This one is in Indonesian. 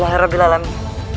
ibu tidak bisa putus asa